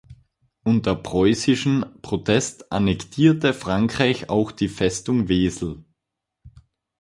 Unter preußischen Protest annektierte Frankreich auch die Festung Wesel.